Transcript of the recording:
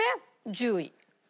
１０位。